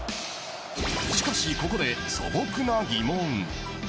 しかしここで素朴な疑問。